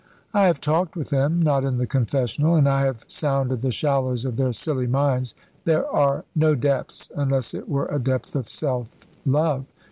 I have talked with them not in the confessional and I have sounded the shallows of their silly minds there are no depths, unless it were a depth of self love.